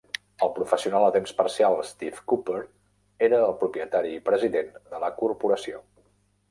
El professional a temps parcial Steve Cooper era el propietari i president de la corporació.